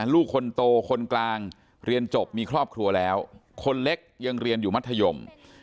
ลูกคนโตคนกลางเรียนจบมีครอบครัวแล้วคนเล็กยังเรียนอยู่มัธยม